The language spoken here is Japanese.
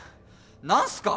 何すか？